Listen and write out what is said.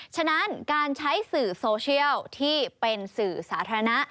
ฉะนั้นการใช้สื่อโซเชียลที่เป็นสื่อสาธารณะ